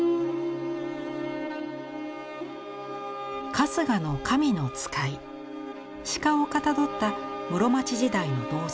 春日の神の使い鹿をかたどった室町時代の銅像。